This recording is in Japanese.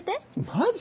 マジ？